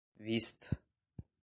vista